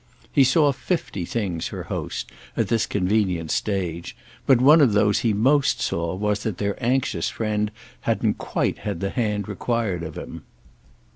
He saw fifty things, her host, at this convenient stage; but one of those he most saw was that their anxious friend hadn't quite had the hand required of him.